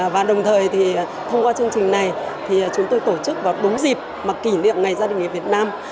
và đồng thời thì thông qua chương trình này thì chúng tôi tổ chức vào đúng dịp mà kỷ niệm ngày gia đình người việt nam